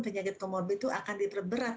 penyakit komorbid itu akan diperberat